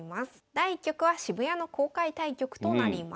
第１局は渋谷の公開対局となります。